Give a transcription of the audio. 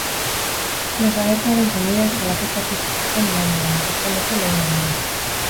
Desagertuaren senideek salaketa aurkeztu zuten igandean, arratsaldeko lehen orduan.